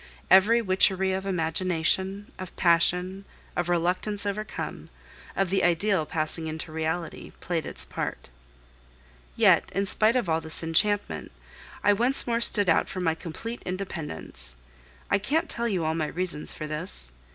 Every witchery of imagination, of passion, of reluctance overcome, of the ideal passing into reality, played its part. Yet, in spite of all this enchantment, I once more stood out for my complete independence. I can't tell you all my reasons for this.